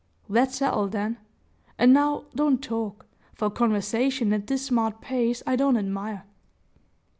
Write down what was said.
"That's settled then; and now, don't talk, for conversation at this smart pace I don't admire."